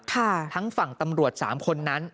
ทั้งฝั่งตำรวจสามคนนั้น